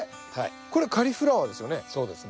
これカリフラワーですよね？